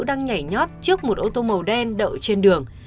đang nhảy nhót trước một ô tô màu đen đậu trên đường